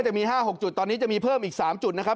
จะมี๕๖จุดตอนนี้จะมีเพิ่มอีก๓จุดนะครับ